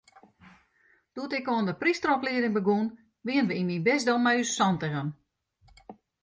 Doe't ik oan de prysteroplieding begûn, wiene we yn myn bisdom mei ús santigen.